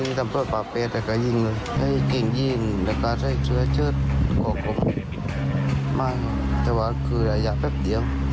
ต่อไปได้ไม่จากเรื่องใจที่สร้างใจก็ไม่บุกรอง